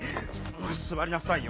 座りなさいよ。